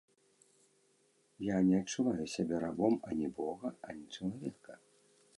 Я не адчуваю сябе рабом ані бога, ані чалавека.